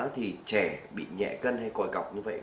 thì trẻ bị nhẹ cân hay còi cọc như vậy